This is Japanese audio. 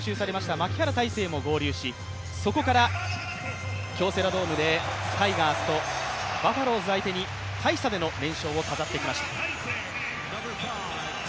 牧原大成も合流し、そこから京セラドームでタイガースとバファローズ相手に大差で連勝を飾ってきました。